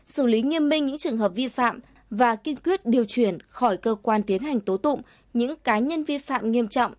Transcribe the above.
xử lý nghiêm minh những trường hợp vi phạm và kiên quyết điều chuyển khỏi cơ quan tiến hành tố tụng những cá nhân vi phạm nghiêm trọng